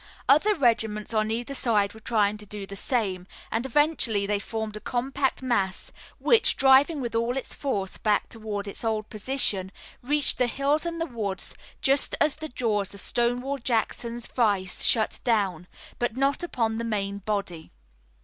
Other regiments on either side were trying to do the same, and eventually they formed a compact mass which, driving with all its force back toward its old position, reached the hills and the woods just as the jaws of Stonewall Jackson's vise shut down, but not upon the main body.